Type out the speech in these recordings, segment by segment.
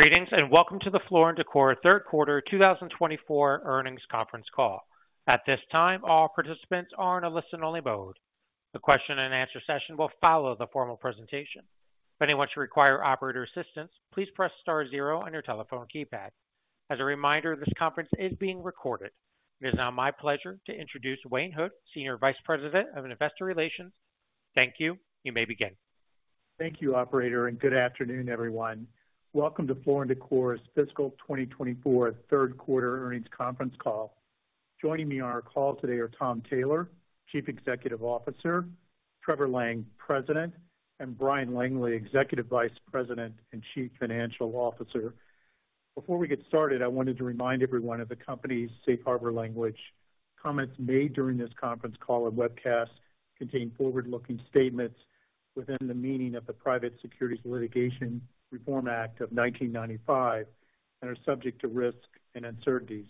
Greetings and welcome to the Floor & Decor 3rd Quarter 2024 earnings conference call. At this time, all participants are in a listen-only mode. The question-and-answer session will follow the formal presentation. If anyone should require operator assistance, please press star zero on your telephone keypad. As a reminder, this conference is being recorded. It is now my pleasure to introduce Wayne Hood, Senior Vice President of Investor Relations. Thank you. You may begin. Thank you, Operator, and good afternoon, everyone. Welcome to Floor & Decor's fiscal 2024 third quarter earnings conference call. Joining me on our call today are Tom Taylor, Chief Executive Officer, Trevor Lang, President, and Bryan Langley, Executive Vice President and Chief Financial Officer. Before we get started, I wanted to remind everyone of the company's safe harbor language. Comments made during this conference call and webcast contain forward-looking statements within the meaning of the Private Securities Litigation Reform Act of 1995 and are subject to risk and uncertainties.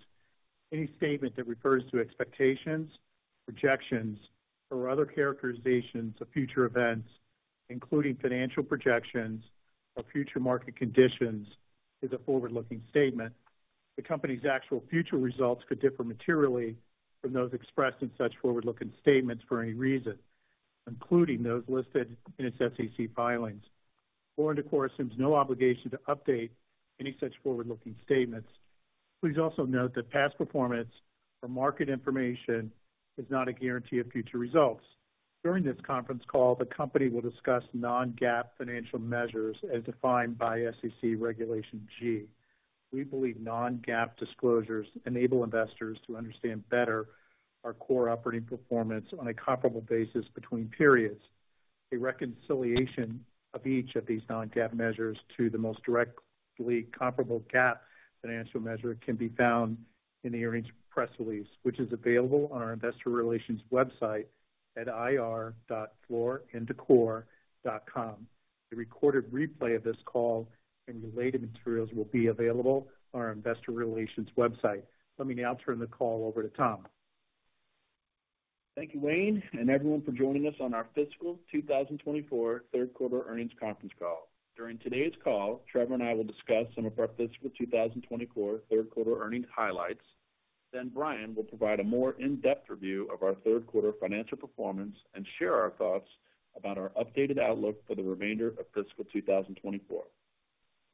Any statement that refers to expectations, projections, or other characterizations of future events, including financial projections or future market conditions, is a forward-looking statement. The company's actual future results could differ materially from those expressed in such forward-looking statements for any reason, including those listed in its SEC filings. Floor & Decor assumes no obligation to update any such forward-looking statements. Please also note that past performance or market information is not a guarantee of future results. During this conference call, the company will discuss non-GAAP financial measures as defined by SEC Regulation G. We believe non-GAAP disclosures enable investors to understand better our core operating performance on a comparable basis between periods. A reconciliation of each of these non-GAAP measures to the most directly comparable GAAP financial measure can be found in the earnings press release, which is available on our Investor Relations website at ir.flooranddecor.com. A recorded replay of this call and related materials will be available on our Investor Relations website. Let me now turn the call over to Tom. Thank you, Wayne, and everyone for joining us on our fiscal 2024 third quarter earnings conference call. During today's call, Trevor and I will discuss some of our fiscal 2024 third quarter earnings highlights. Then Bryan will provide a more in-depth review of our third quarter financial performance and share our thoughts about our updated outlook for the remainder of fiscal 2024.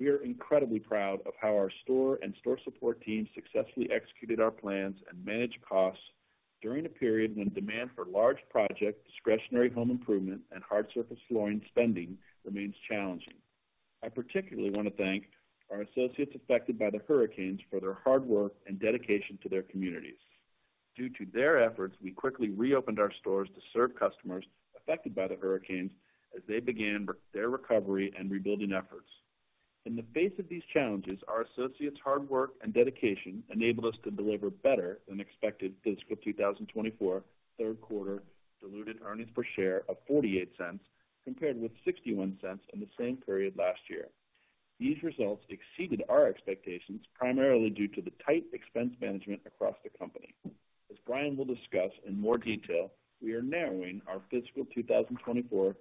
We are incredibly proud of how our store and store support team successfully executed our plans and managed costs during a period when demand for large projects, discretionary home improvement, and hard surface flooring spending remains challenging. I particularly want to thank our associates affected by the hurricanes for their hard work and dedication to their communities. Due to their efforts, we quickly reopened our stores to serve customers affected by the hurricanes as they began their recovery and rebuilding efforts. In the face of these challenges, our associates' hard work and dedication enabled us to deliver better than expected fiscal 2024 third quarter diluted earnings per share of $0.48, compared with $0.61 in the same period last year. These results exceeded our expectations primarily due to the tight expense management across the company. As Bryan will discuss in more detail, we are narrowing our fiscal 2024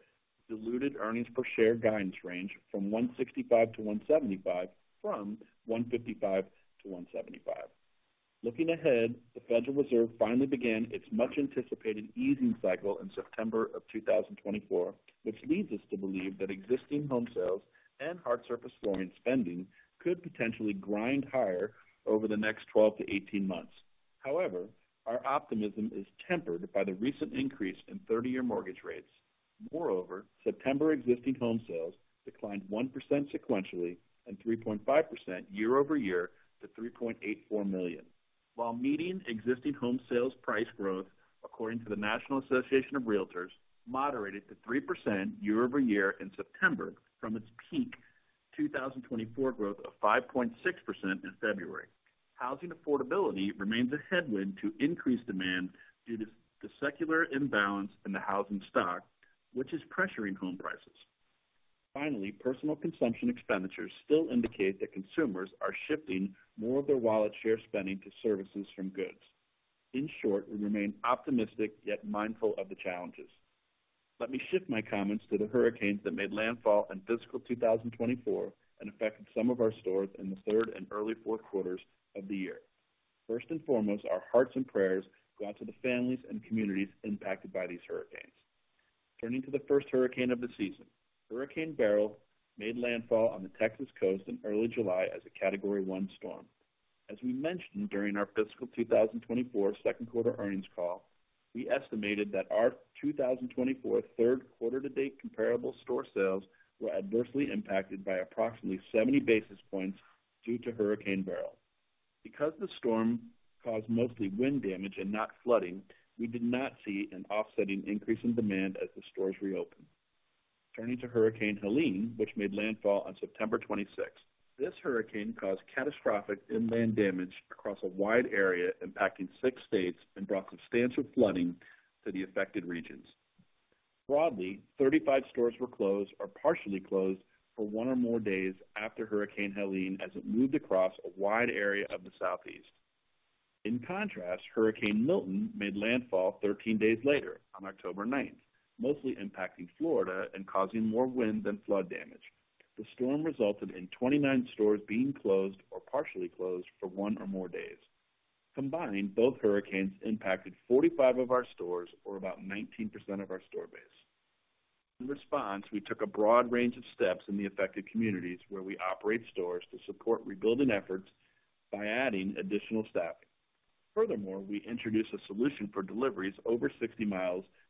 diluted earnings per share guidance range from $1.65-$1.75 from $1.55-$1.75. Looking ahead, the Federal Reserve finally began its much-anticipated easing cycle in September of 2024, which leads us to believe that existing home sales and hard surface flooring spending could potentially grind higher over the next 12 months-18 months. However, our optimism is tempered by the recent increase in 30-year mortgage rates. Moreover, September existing home sales declined 1% sequentially and 3.5% year-over-year to 3.84 million, while median existing home sales price growth, according to the National Association of Realtors, moderated to 3% year-over-year in September from its peak 2024 growth of 5.6% in February. Housing affordability remains a headwind to increased demand due to the secular imbalance in the housing stock, which is pressuring home prices. Finally, personal consumption expenditures still indicate that consumers are shifting more of their wallet share spending to services from goods. In short, we remain optimistic yet mindful of the challenges. Let me shift my comments to the hurricanes that made landfall in fiscal 2024 and affected some of our stores in the third and early fourth quarters of the year. First and foremost, our hearts and prayers go out to the families and communities impacted by these hurricanes. Turning to the first hurricane of the season, Hurricane Beryl made landfall on the Texas coast in early July as a Category 1 storm. As we mentioned during our fiscal 2024 second quarter earnings call, we estimated that our 2024 third quarter-to-date comparable store sales were adversely impacted by approximately 70 basis points due to Hurricane Beryl. Because the storm caused mostly wind damage and not flooding, we did not see an offsetting increase in demand as the stores reopened. Turning to Hurricane Helene, which made landfall on September 26, this hurricane caused catastrophic inland damage across a wide area impacting six states and brought substantial flooding to the affected regions. Broadly, 35 stores were closed or partially closed for one or more days after Hurricane Helene as it moved across a wide area of the Southeast. In contrast, Hurricane Milton made landfall 13 days later on October 9th, mostly impacting Florida and causing more wind than flood damage. The storm resulted in 29 stores being closed or partially closed for one or more days. Combined, both hurricanes impacted 45 of our stores, or about 19% of our store base. In response, we took a broad range of steps in the affected communities where we operate stores to support rebuilding efforts by adding additional staffing. Furthermore, we introduced a solution for deliveries over 60 mi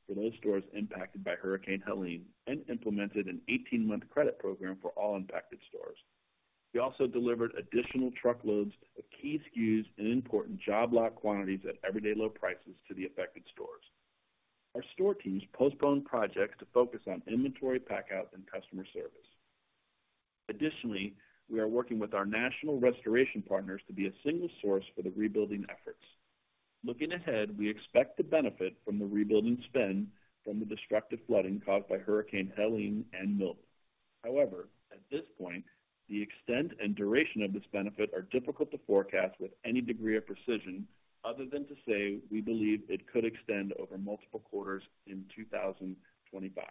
for those stores impacted by Hurricane Helene and implemented an 18-month credit program for all impacted stores. We also delivered additional truckloads of key SKUs and important job lot quantities at everyday low prices to the affected stores. Our store teams postponed projects to focus on inventory packout and customer service. Additionally, we are working with our national restoration partners to be a single source for the rebuilding efforts. Looking ahead, we expect to benefit from the rebuilding spend from the destructive flooding caused by Hurricane Helene and Milton. However, at this point, the extent and duration of this benefit are difficult to forecast with any degree of precision other than to say we believe it could extend over multiple quarters in 2025.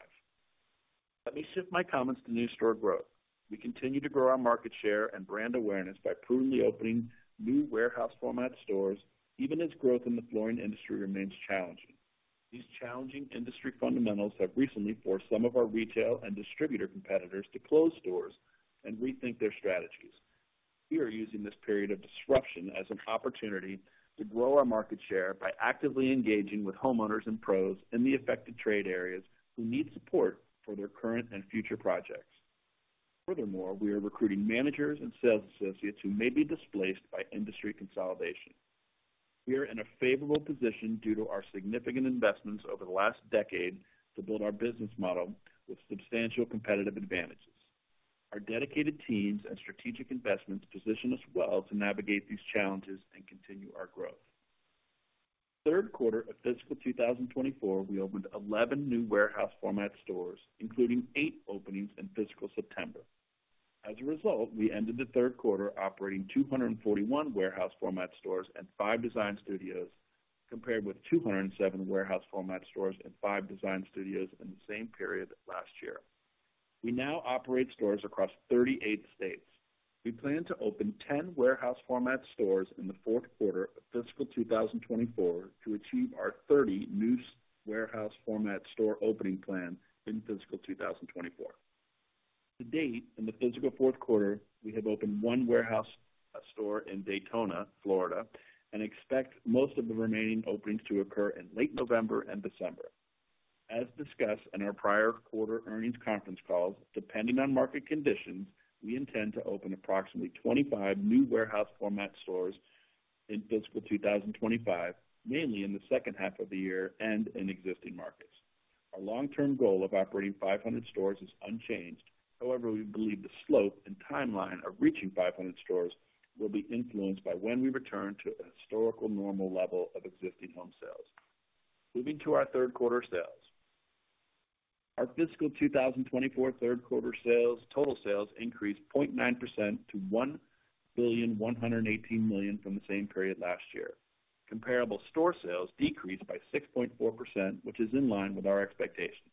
Let me shift my comments to new store growth. We continue to grow our market share and brand awareness by prudently opening new warehouse-format stores even as growth in the flooring industry remains challenging. These challenging industry fundamentals have recently forced some of our retail and distributor competitors to close stores and rethink their strategies. We are using this period of disruption as an opportunity to grow our market share by actively engaging with homeowners and pros in the affected trade areas who need support for their current and future projects. Furthermore, we are recruiting managers and sales associates who may be displaced by industry consolidation. We are in a favorable position due to our significant investments over the last decade to build our business model with substantial competitive advantages. Our dedicated teams and strategic investments position us well to navigate these challenges and continue our growth. Third quarter of fiscal 2024, we opened 11 new warehouse-format stores, including eight openings in fiscal September. As a result, we ended the third quarter operating 241 warehouse-format stores and five Design Studios, compared with 207 warehouse-format stores and five Design Studios in the same period last year. We now operate stores across 38 states. We plan to open 10 warehouse-format stores in the fourth quarter of fiscal 2024 to achieve our 30 new warehouse-format store opening plan in fiscal 2024. To date, in the fiscal fourth quarter, we have opened one warehouse store in Daytona, Florida, and expect most of the remaining openings to occur in late November and December. As discussed in our prior quarter earnings conference calls, depending on market conditions, we intend to open approximately 25 new warehouse-format stores in fiscal 2025, mainly in the second half of the year and in existing markets. Our long-term goal of operating 500 stores is unchanged. However, we believe the slope and timeline of reaching 500 stores will be influenced by when we return to a historical normal level of existing home sales. Moving to our third quarter sales, our fiscal 2024 third quarter total sales increased 0.9% to $1,118,000,000 from the same period last year. Comparable store sales decreased by 6.4%, which is in line with our expectations.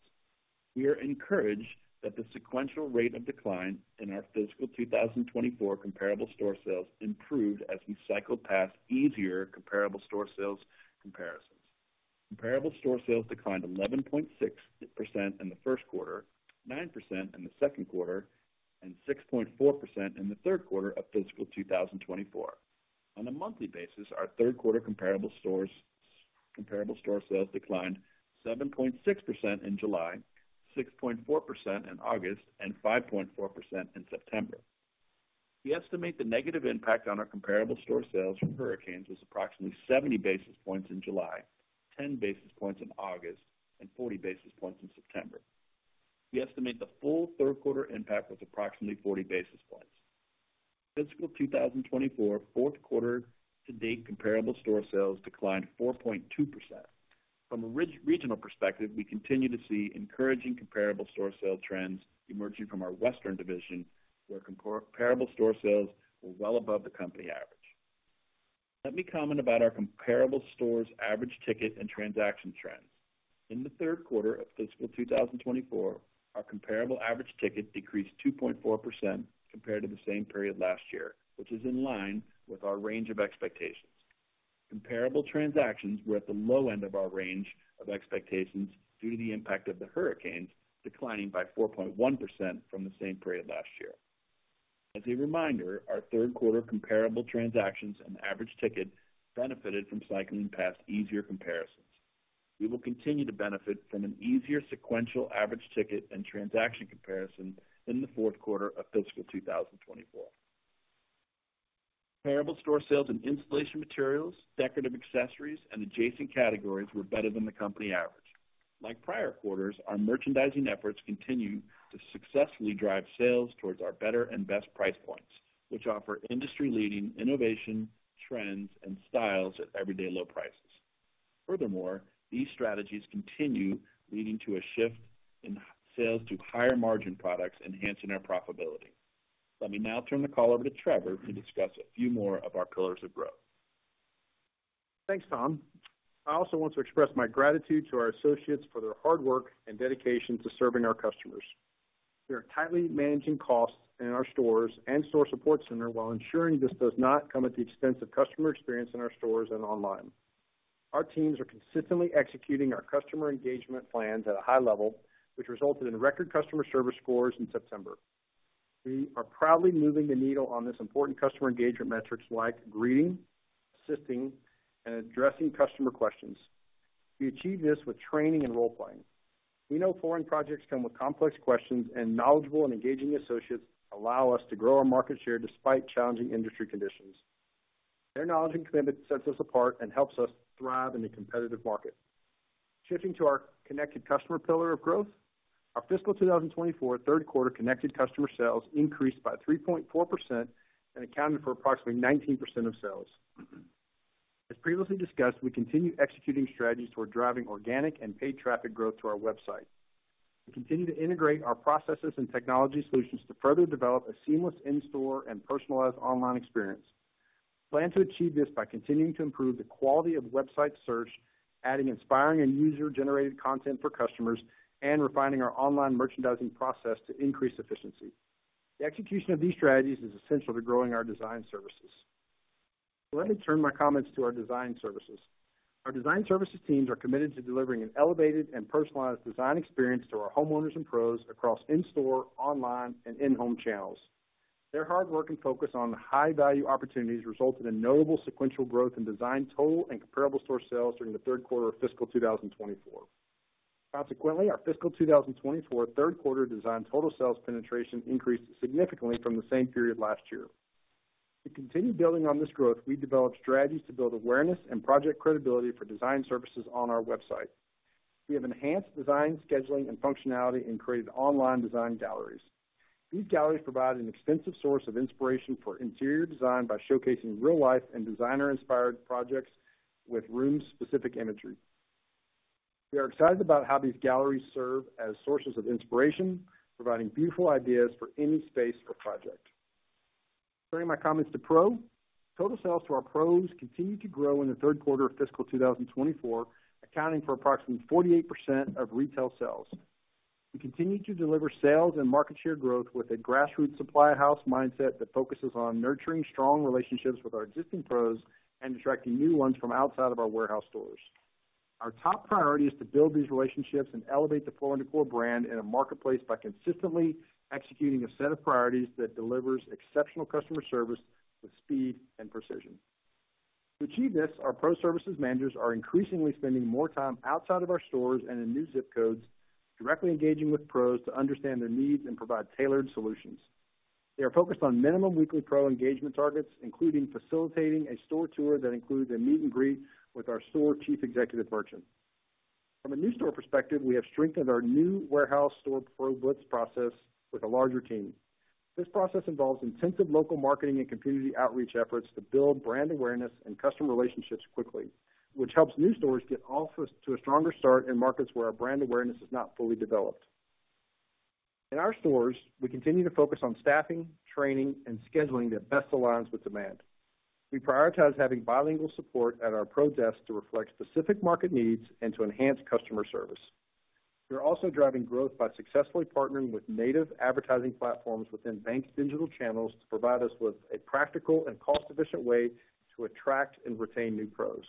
We are encouraged that the sequential rate of decline in our fiscal 2024 comparable store sales improved as we cycled past easier comparable store sales comparisons. Comparable store sales declined 11.6% in the first quarter, 9% in the second quarter, and 6.4% in the third quarter of fiscal 2024. On a monthly basis, our third quarter comparable store sales declined 7.6% in July, 6.4% in August, and 5.4% in September. We estimate the negative impact on our comparable store sales from hurricanes was approximately 70 basis points in July, 10 basis points in August, and 40 basis points in September. We estimate the full third quarter impact was approximately 40 basis points. fiscal 2024 fourth quarter-to-date comparable store sales declined 4.2%. From a regional perspective, we continue to see encouraging comparable store sale trends emerging from our Western Division, where comparable store sales were well above the company average. Let me comment about our comparable stores' average ticket and transaction trends. In the third quarter of fiscal 2024, our comparable average ticket decreased 2.4% compared to the same period last year, which is in line with our range of expectations. Comparable transactions were at the low end of our range of expectations due to the impact of the hurricanes, declining by 4.1% from the same period last year. As a reminder, our third quarter comparable transactions and average ticket benefited from cycling past easier comparisons. We will continue to benefit from an easier sequential average ticket and transaction comparison in the fourth quarter of fiscal 2024. Comparable store sales in installation materials, decorative accessories, and adjacent categories were better than the company average. Like prior quarters, our merchandising efforts continue to successfully drive sales towards our better and best price points, which offer industry-leading innovation, trends, and styles at everyday low prices. Furthermore, these strategies continue leading to a shift in sales to higher margin products, enhancing our profitability. Let me now turn the call over to Trevor to discuss a few more of our pillars of growth. Thanks, Tom. I also want to express my gratitude to our associates for their hard work and dedication to serving our customers. We are tightly managing costs in our stores and Store Support Center while ensuring this does not come at the expense of customer experience in our stores and online. Our teams are consistently executing our customer engagement plans at a high level, which resulted in record customer service scores in September. We are proudly moving the needle on this important customer engagement metrics like greeting, assisting, and addressing customer questions. We achieve this with training and role-playing. We know flooring projects come with complex questions, and knowledgeable and engaging associates allow us to grow our market share despite challenging industry conditions. Their knowledge and commitment set us apart and help us thrive in a competitive market. Shifting to our connected customer pillar of growth, our fiscal 2024 third quarter connected customer sales increased by 3.4% and accounted for approximately 19% of sales. As previously discussed, we continue executing strategies toward driving organic and paid traffic growth to our website. We continue to integrate our processes and technology solutions to further develop a seamless in-store and personalized online experience. We plan to achieve this by continuing to improve the quality of website search, adding inspiring and user-generated content for customers, and refining our online merchandising process to increase efficiency. The execution of these strategies is essential to growing our design services. Let me turn my comments to our design services. Our design services teams are committed to delivering an elevated and personalized design experience to our homeowners and pros across in-store, online, and in-home channels. Their hard work and focus on high-value opportunities resulted in notable sequential growth in design total and comparable store sales during the third quarter of fiscal 2024. Consequently, our fiscal 2024 third quarter design total sales penetration increased significantly from the same period last year. To continue building on this growth, we developed strategies to build awareness and project credibility for design services on our website. We have enhanced design scheduling and functionality and created online design galleries. These galleries provide an extensive source of inspiration for interior design by showcasing real-life and designer-inspired projects with room-specific imagery. We are excited about how these galleries serve as sources of inspiration, providing beautiful ideas for any space or project. Turning my comments to pro, total sales to our pros continued to grow in the third quarter of fiscal 2024, accounting for approximately 48% of retail sales. We continue to deliver sales and market share growth with a grassroots supply house mindset that focuses on nurturing strong relationships with our existing pros and attracting new ones from outside of our warehouse stores. Our top priority is to build these relationships and elevate the Floor & Decor brand in a marketplace by consistently executing a set of priorities that delivers exceptional customer service with speed and precision. To achieve this, our pro services managers are increasingly spending more time outside of our stores and in new zip codes, directly engaging with pros to understand their needs and provide tailored solutions. They are focused on minimum weekly pro engagement targets, including facilitating a store tour that includes a meet-and-greet with our store Chief Executive Merchant. From a new store perspective, we have strengthened our new warehouse store pro booths process with a larger team. This process involves intensive local marketing and community outreach efforts to build brand awareness and customer relationships quickly, which helps new stores get off to a stronger start in markets where our brand awareness is not fully developed. In our stores, we continue to focus on staffing, training, and scheduling that best aligns with demand. We prioritize having bilingual support at our pro desk to reflect specific market needs and to enhance customer service. We are also driving growth by successfully partnering with native advertising platforms within bank digital channels to provide us with a practical and cost-efficient way to attract and retain new pros.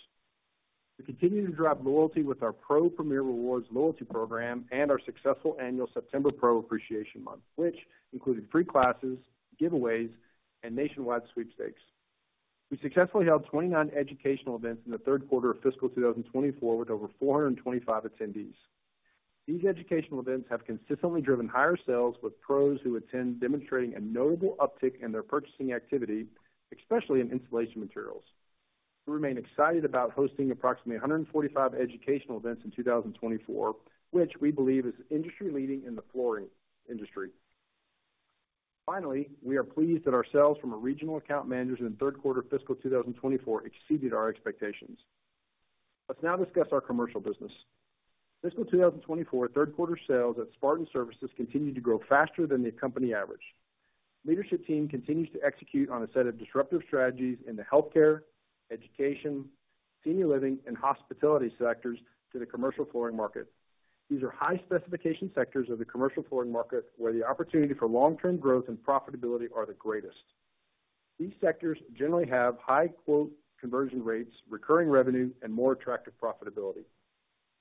We continue to drive loyalty with our Pro Premier Rewards loyalty program and our successful annual September Pro Appreciation Month, which included free classes, giveaways, and nationwide sweepstakes. We successfully held 29 educational events in the third quarter of fiscal 2024 with over 425 attendees. These educational events have consistently driven higher sales, with pros who attend demonstrating a notable uptick in their purchasing activity, especially in installation materials. We remain excited about hosting approximately 145 educational events in 2024, which we believe is industry-leading in the flooring industry. Finally, we are pleased that our sales from our regional account managers in the third quarter of fiscal 2024 exceeded our expectations. Let's now discuss our commercial business. Fiscal 2024 third quarter sales at Spartan Surfaces continue to grow faster than the company average. The leadership team continues to execute on a set of disruptive strategies in the healthcare, education, senior living, and hospitality sectors to the commercial flooring market. These are high-specification sectors of the commercial flooring market where the opportunity for long-term growth and profitability are the greatest. These sectors generally have high quote conversion rates, recurring revenue, and more attractive profitability.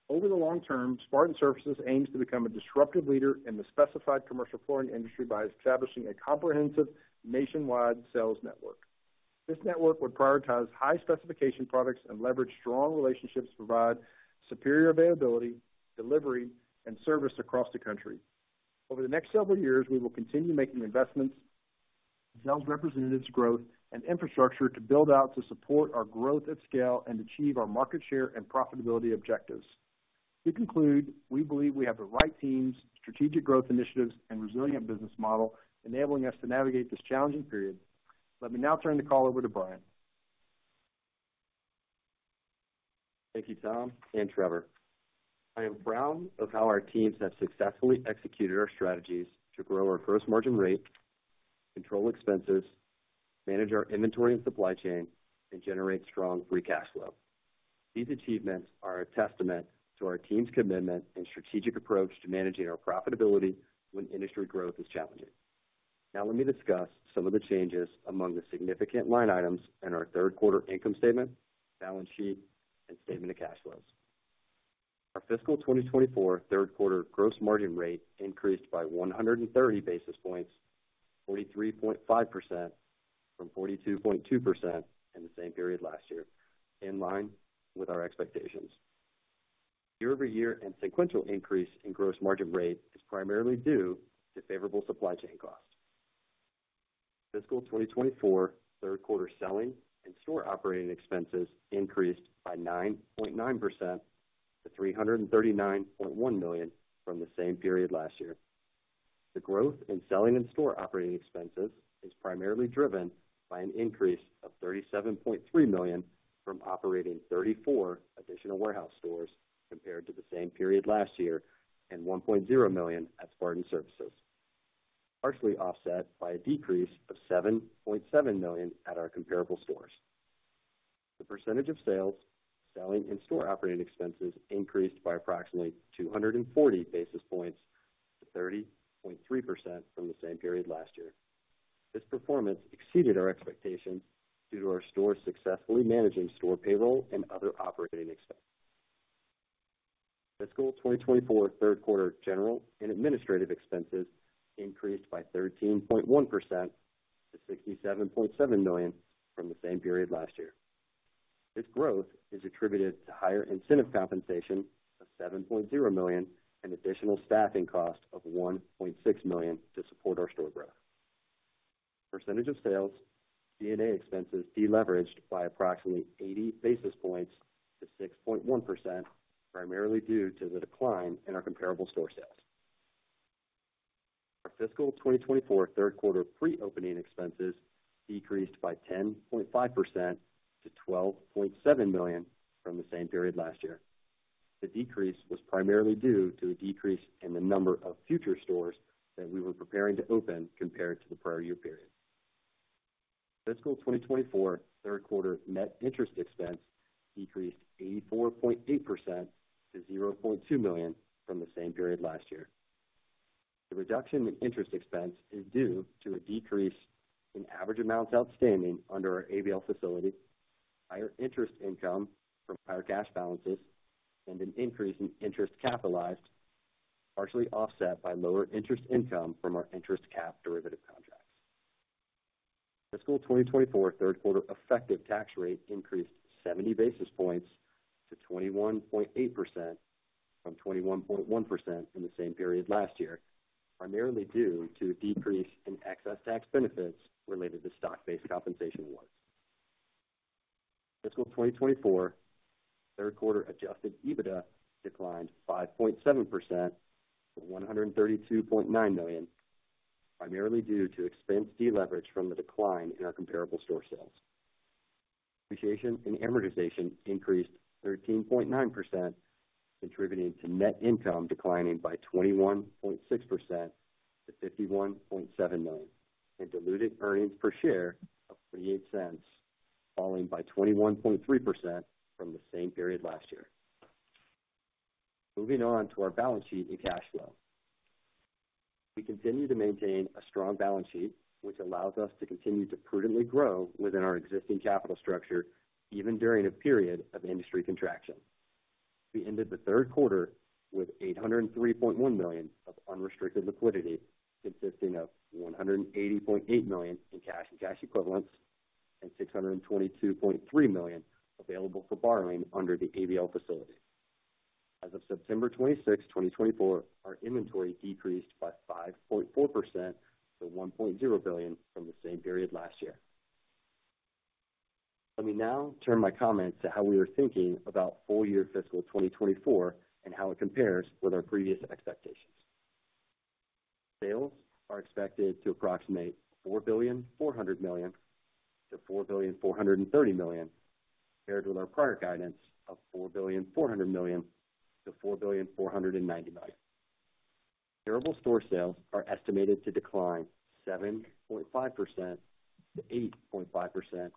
Over the long term, Spartan Surfaces aims to become a disruptive leader in the specified commercial flooring industry by establishing a comprehensive nationwide sales network. This network would prioritize high-specification products and leverage strong relationships to provide superior availability, delivery, and service across the country. Over the next several years, we will continue making investments, sales representatives' growth, and infrastructure to build out to support our growth at scale and achieve our market share and profitability objectives. To conclude, we believe we have the right teams, strategic growth initiatives, and resilient business model enabling us to navigate this challenging period. Let me now turn the call over to Bryan. Thank you, Tom and Trevor. I am proud of how our teams have successfully executed our strategies to grow our gross margin rate, control expenses, manage our inventory and supply chain, and generate strong free cash flow. These achievements are a testament to our team's commitment and strategic approach to managing our profitability when industry growth is challenging. Now, let me discuss some of the changes among the significant line items in our third quarter income statement, balance sheet, and statement of cash flows. Our fiscal 2024 third quarter gross margin rate increased by 130 basis points, 43.5% from 42.2% in the same period last year, in line with our expectations. Year-over-year and sequential increase in gross margin rate is primarily due to favorable supply chain costs. Fiscal 2024 third quarter selling and store operating expenses increased by 9.9% to $339.1 million from the same period last year. The growth in selling and store operating expenses is primarily driven by an increase of $37.3 million from operating 34 additional warehouse stores compared to the same period last year and $1.0 million at Spartan Surfaces, partially offset by a decrease of $7.7 million at our comparable stores. The percentage of sales, selling, and store operating expenses increased by approximately 240 basis points to 30.3% from the same period last year. This performance exceeded our expectations due to our stores successfully managing store payroll and other operating expenses. Fiscal 2024 third quarter general and administrative expenses increased by 13.1% to $67.7 million from the same period last year. This growth is attributed to higher incentive compensation of $7.0 million and additional staffing cost of $1.6 million to support our store growth. Percentage of sales SG&A expenses deleveraged by approximately 80 basis points to 6.1%, primarily due to the decline in our comparable store sales. Our fiscal 2024 third quarter pre-opening expenses decreased by 10.5% to $12.7 million from the same period last year. The decrease was primarily due to a decrease in the number of future stores that we were preparing to open compared to the prior year period. fiscal 2024 third quarter net interest expense decreased 84.8% to $0.2 million from the same period last year. The reduction in interest expense is due to a decrease in average amounts outstanding under our ABL facility, higher interest income from higher cash balances, and an increase in interest capitalized, partially offset by lower interest income from our interest cap derivative contracts. fiscal 2024 third quarter effective tax rate increased 70 basis points to 21.8% from 21.1% in the same period last year, primarily due to a decrease in excess tax benefits related to stock-based compensation awards. Fiscal 2024 third quarter Adjusted EBITDA declined 5.7% to $132.9 million, primarily due to expense deleverage from the decline in our comparable store sales. Depreciation and amortization increased 13.9%, contributing to net income declining by 21.6% to $51.7 million and diluted earnings per share of $0.48, falling by 21.3% from the same period last year. Moving on to our balance sheet and cash flow. We continue to maintain a strong balance sheet, which allows us to continue to prudently grow within our existing capital structure even during a period of industry contraction. We ended the third quarter with $803.1 million of unrestricted liquidity, consisting of $180.8 million in cash and cash equivalents and $622.3 million available for borrowing under the ABL facility. As of September 26th, 2024, our inventory decreased by 5.4% to $1.0 billion from the same period last year. Let me now turn my comments to how we are thinking about full year fiscal 2024 and how it compares with our previous expectations. Sales are expected to approximate $4.4 billion-$4.43 billion, paired with our prior guidance of $4.4 billion-$4.49 billion. Comparable store sales are estimated to decline 7.5%-8.5%,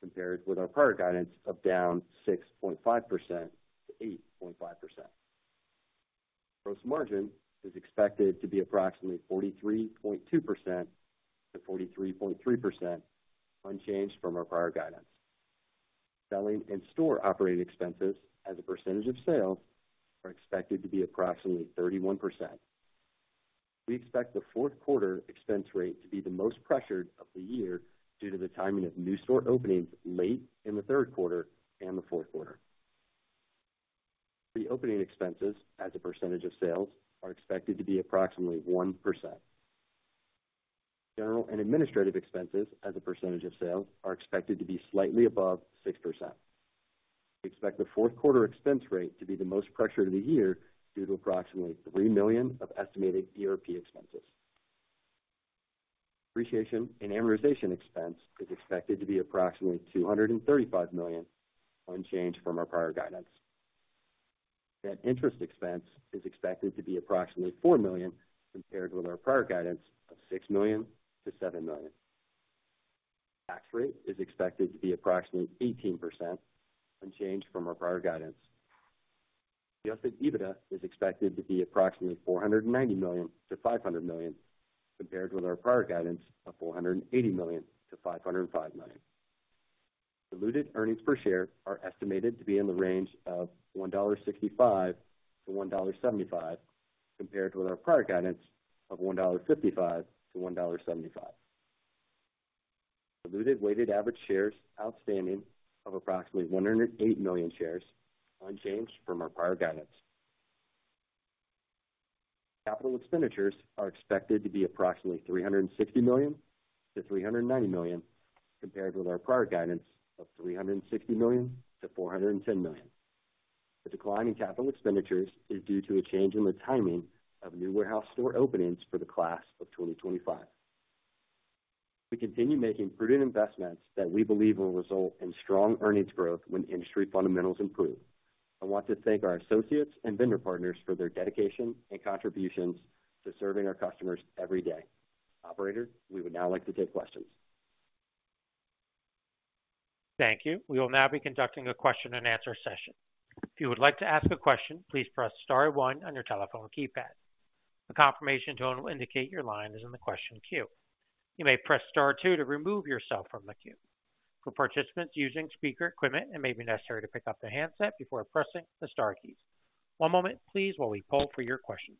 compared with our prior guidance of down 6.5%-8.5%. Gross margin is expected to be approximately 43.2%-43.3%, unchanged from our prior guidance. Selling and store operating expenses, as a percentage of sales, are expected to be approximately 31%. We expect the fourth quarter expense rate to be the most pressured of the year due to the timing of new store openings late in the third quarter and the fourth quarter. Pre-opening expenses, as a percentage of sales, are expected to be approximately 1%. General and administrative expenses, as a percentage of sales, are expected to be slightly above 6%. We expect the fourth quarter expense rate to be the most pressured of the year due to approximately $3 million of estimated ERP expenses. Depreciation and amortization expense is expected to be approximately $235 million, unchanged from our prior guidance. Net interest expense is expected to be approximately $4 million, compared with our prior guidance of $6 million-$7 million. Tax rate is expected to be approximately 18%, unchanged from our prior guidance. Adjusted EBITDA is expected to be approximately $490 million-$500 million compared with our prior guidance of $480 million-$505 million. Diluted earnings per share are estimated to be in the range of $1.65-$1.75, compared with our prior guidance of $1.55-$1.75. Diluted weighted average shares outstanding of approximately 108 million shares, unchanged from our prior guidance. Capital expenditures are expected to be approximately $360 million-$390 million, compared with our prior guidance of $360 million-$410 million. The decline in capital expenditures is due to a change in the timing of new warehouse store openings for the Class of 2025. We continue making prudent investments that we believe will result in strong earnings growth when industry fundamentals improve. I want to thank our associates and vendor partners for their dedication and contributions to serving our customers every day. Operator, we would now like to take questions. Thank you. We will now be conducting a question-and-answer session. If you would like to ask a question, please press star one on your telephone keypad. A confirmation tone will indicate your line is in the question queue. You may press star two to remove yourself from the queue. For participants using speaker equipment, it may be necessary to pick up their handset before pressing the star keys. One moment, please, while we poll for your questions.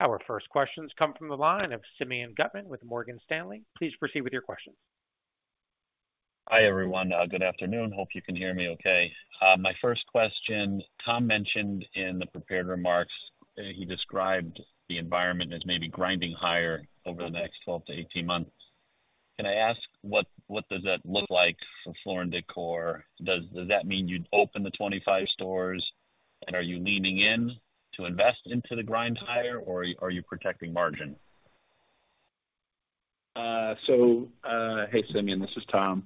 Our first questions come from the line of Simeon Gutman with Morgan Stanley. Please proceed with your questions. Hi, everyone. Good afternoon. Hope you can hear me okay. My first question, Tom mentioned in the prepared remarks, he described the environment as maybe grinding higher over the next 12 months-18 months. Can I ask, what does that look like for Floor & Decor? Does that mean you'd open the 25 stores, and are you leaning in to invest into the grind higher, or are you protecting margin? So, hey, Simeon, this is Tom.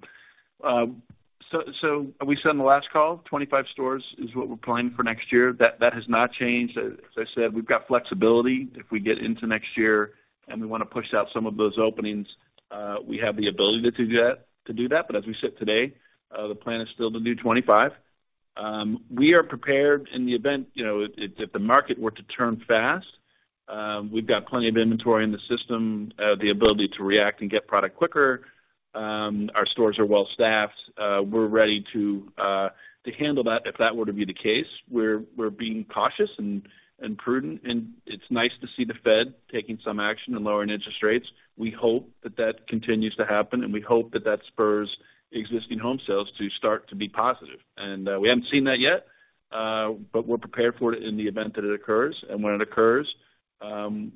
So we said in the last call, 25 stores is what we're planning for next year. That has not changed. As I said, we've got flexibility. If we get into next year and we want to push out some of those openings, we have the ability to do that. But as we sit today, the plan is still to do 25. We are prepared in the event, you know, if the market were to turn fast, we've got plenty of inventory in the system, the ability to react and get product quicker. Our stores are well staffed. We're ready to handle that if that were to be the case. We're being cautious and prudent. And it's nice to see the Fed taking some action and lowering interest rates. We hope that that continues to happen, and we hope that that spurs existing home sales to start to be positive, and we haven't seen that yet, but we're prepared for it in the event that it occurs, and when it occurs,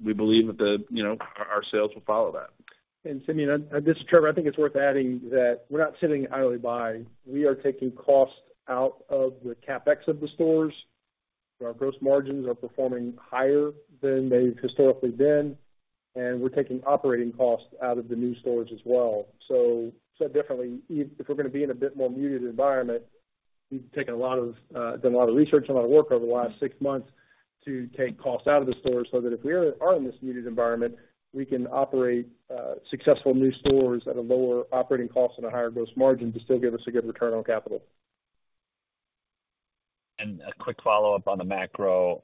we believe that, you know, our sales will follow that. Simeon, this is Trevor, I think it's worth adding that we're not sitting idly by. We are taking cost out of the CapEx of the stores. Our gross margins are performing higher than they've historically been, and we're taking operating cost out of the new stores as well. So said differently, if we're going to be in a bit more muted environment, we've done a lot of research and a lot of work over the last six months to take cost out of the stores so that if we are in this muted environment, we can operate successful new stores at a lower operating cost and a higher gross margin to still give us a good return on capital. And a quick follow-up on the macro,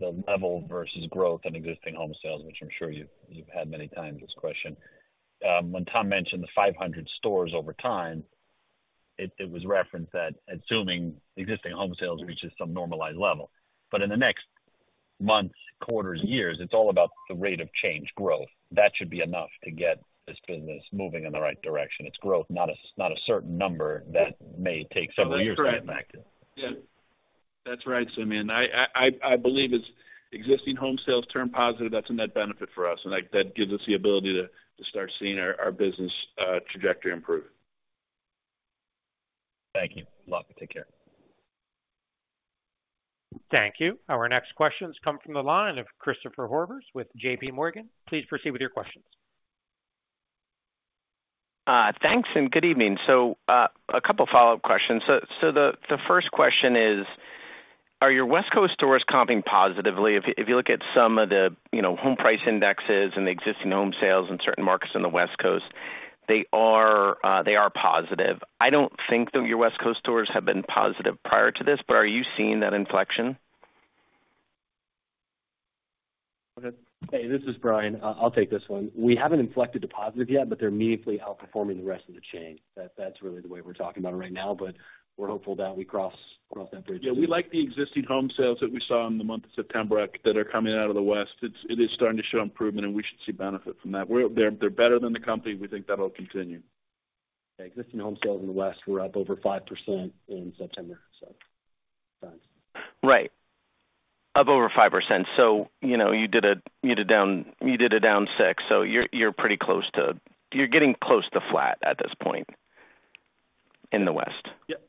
the level versus growth in existing home sales, which I'm sure you've had many times this question. When Tom mentioned the 500 stores over time, it was referenced that assuming existing home sales reaches some normalized level. But in the next months, quarters, years, it's all about the rate of change, growth. That should be enough to get this business moving in the right direction. It's growth, not a certain number that may take several years to get back to. That's right, Simeon. I believe as existing home sales turn positive, that's a net benefit for us. And that gives us the ability to start seeing our business trajectory improve. Thank you. Good luck. Take care. Thank you. Our next questions come from the line of Christopher Horvers with JPMorgan. Please proceed with your questions. Thanks and good evening. So a couple of follow-up questions. So the first question is, are your West Coast stores comping positively? If you look at some of the, you know, home price indexes and the existing home sales in certain markets on the West Coast, they are positive. I don't think that your West Coast stores have been positive prior to this, but are you seeing that inflection? Hey, this is Bryan. I'll take this one. We haven't inflected to positive yet, but they're meaningfully outperforming the rest of the chain. That's really the way we're talking about it right now, but we're hopeful that we cross that bridge. Yeah, we like the existing home sales that we saw in the month of September that are coming out of the West. It is starting to show improvement, and we should see benefit from that. They're better than the company. We think that'll continue. Existing home sales in the West were up over 5% in September, so thanks. Right. Up over 5%. So, you know, you did a down 6%. So you're pretty close to, you're getting close to flat at this point in the West. Yep. Yep.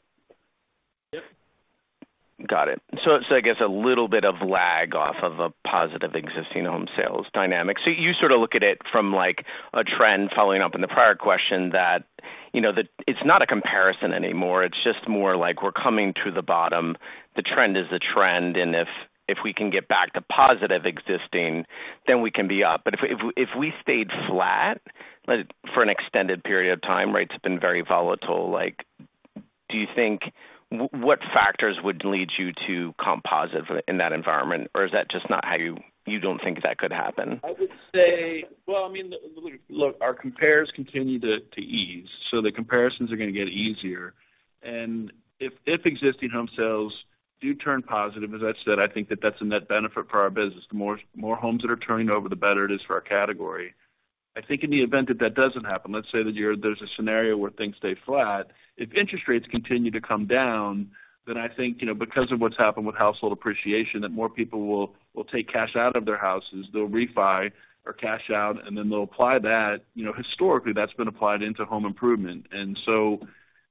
Got it. So I guess a little bit of lag off of a positive existing home sales dynamic. So you sort of look at it from like a trend following up on the prior question that, you know, that it's not a comparison anymore. It's just more like we're coming to the bottom. The trend is the trend, and if we can get back to positive existing, then we can be up. But if we stayed flat for an extended period of time, right, it's been very volatile. Like do you think what factors would lead you to comp positive in that environment, or is that just not how you don't think that could happen? I would say, well, I mean, look, our compares continue to ease, so the comparisons are going to get easier. And if existing home sales do turn positive, as I said, I think that that's a net benefit for our business. The more homes that are turning over, the better it is for our category. I think in the event that that doesn't happen, let's say that there's a scenario where things stay flat, if interest rates continue to come down, then I think, you know, because of what's happened with household appreciation, that more people will take cash out of their houses, they'll refi or cash out, and then they'll apply that, you know, historically, that's been applied into home improvement. And so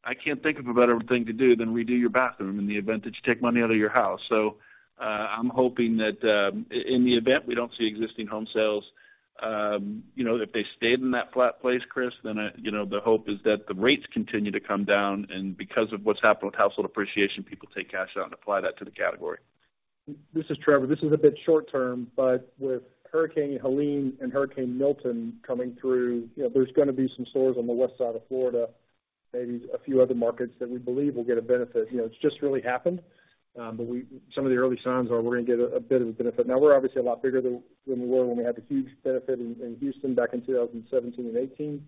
I can't think of a better thing to do than redo your bathroom in the event that you take money out of your house. So I'm hoping that in the event we don't see existing home sales, you know, if they stayed in that flat pace, Chris, then, you know, the hope is that the rates continue to come down, and because of what's happened with household appreciation, people take cash out and apply that to the category. This is Trevor. This is a bit short term, but with Hurricane Helene and Hurricane Milton coming through, you know, there's going to be some stores on the west side of Florida, maybe a few other markets that we believe will get a benefit. You know, it's just really happened, but some of the early signs are we're going to get a bit of a benefit. Now, we're obviously a lot bigger than we were when we had the huge benefit in Houston back in 2017 and 2018.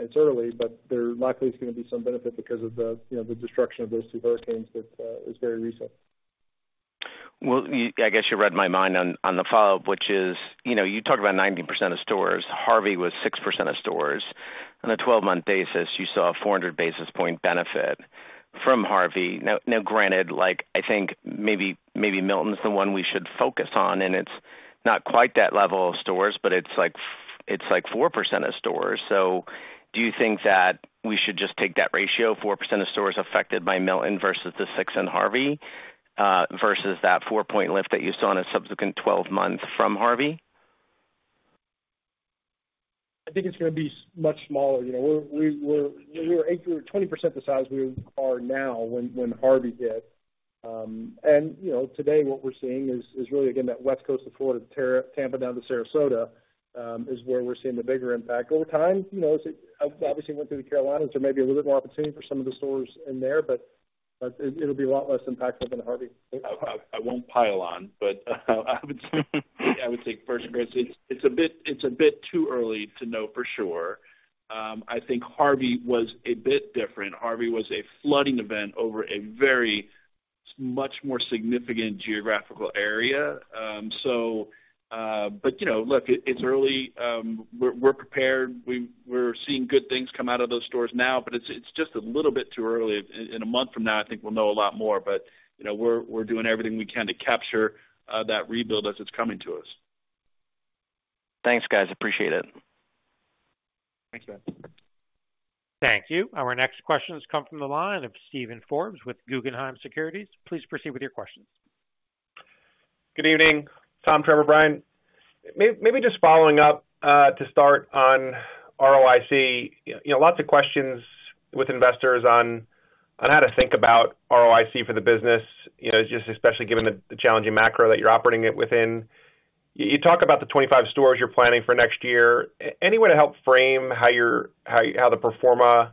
It's early, but there likely is going to be some benefit because of the, you know, the destruction of those two hurricanes that is very recent. I guess you read my mind on the follow-up, which is, you know, you talked about 90% of stores. Harvey was 6% of stores. On a 12-month basis, you saw a 400 basis points benefit from Harvey. Now, granted, like I think maybe Milton's the one we should focus on, and it's not quite that level of stores, but it's like 4% of stores. So do you think that we should just take that ratio, 4% of stores affected by Milton versus the six in Harvey, versus that four-point lift that you saw in a subsequent 12 months from Harvey? I think it's going to be much smaller. You know, we were 20% the size we are now when Harvey hit. You know, today what we're seeing is really, again, that West Coast of Florida, Tampa down to Sarasota, is where we're seeing the bigger impact. Over time, you know, obviously we went through the Carolinas, there may be a little bit more opportunity for some of the stores in there, but it'll be a lot less impactful than Harvey. I won't pile on, but I would take first grade. It's a bit too early to know for sure. I think Harvey was a bit different. Harvey was a flooding event over a very much more significant geographical area. So, but you know, look, it's early. We're prepared. We're seeing good things come out of those stores now, but it's just a little bit too early. In a month from now, I think we'll know a lot more, but, you know, we're doing everything we can to capture that rebuild as it's coming to us. Thanks, guys. Appreciate it. Thanks, guys. Thank you. Our next questions come from the line of Steven Forbes with Guggenheim Securities. Please proceed with your questions. Good evening. Tom, Trevor, Bryan. Maybe just following up to start on ROIC, you know, lots of questions with investors on how to think about ROIC for the business, you know, just especially given the challenging macro that you're operating within. You talk about the 25 stores you're planning for next year. Any way to help frame how the performer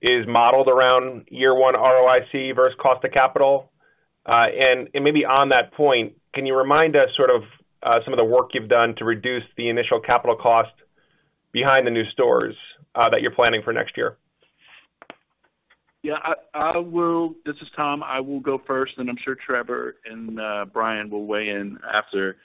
is modeled around year one ROIC versus cost of capital? And maybe on that point, can you remind us sort of some of the work you've done to reduce the initial capital cost behind the new stores that you're planning for next year? Yeah, I will. This is Tom. I will go first, and I'm sure Trevor and Bryan will weigh in after.